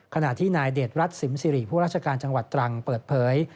ขณะที่นายเดชรัฐสิมสิริผู้ราชการจังหวัดตรังเปิดเผย